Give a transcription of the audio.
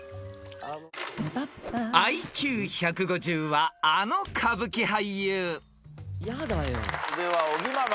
［ＩＱ１５０はあの歌舞伎俳優］では尾木ママ。